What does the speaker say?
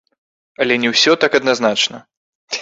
Але не ўсё так адназначна.